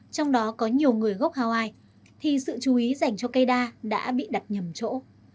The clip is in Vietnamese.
trong đó có nhiều người gốc hawaii thì sự chú ý dành cho cây đa đã bị đặt nhầm chỗ